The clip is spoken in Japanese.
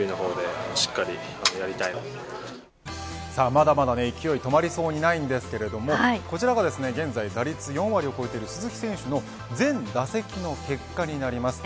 まだまだ勢いが止まりそうにないですがこちらが現在打率４割を超えている鈴木選手の全打席の結果になります。